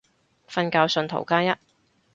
瞓覺信徒加一